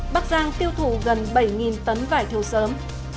bắc giang tiêu thụ gần bảy tấn vải thiêu sớm